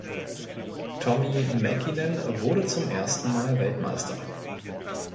Tommi Mäkinen wurde zum ersten Mal Weltmeister.